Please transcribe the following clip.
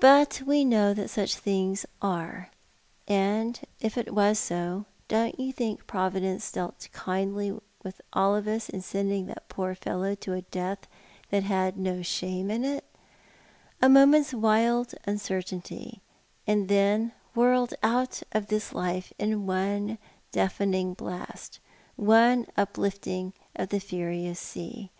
But we know that such things are. And if it was so, don't you think Providence dealt kindly with all of us in sending that poor fellow to a death that had no shame in it — a moment's wild i;ncertainty, and then whirled out of this life in one deafening blast, one uplifting of the furious sea?